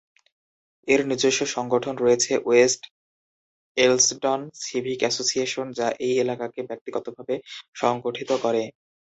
এর নিজস্ব সংগঠন রয়েছে, "ওয়েস্ট এলসডন সিভিক এসোসিয়েশন", যা এই এলাকাকে ব্যক্তিগতভাবে সংগঠিত করে।